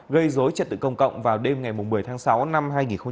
gây dối trật tự công cộng vào đêm ngày một mươi tháng sáu năm hai nghìn một mươi tám